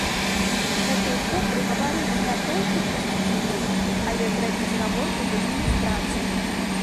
Гэта ўсё прыгаварылі не толькі пусціць у друк, але зрабіць гаворку з адміністрацыяй.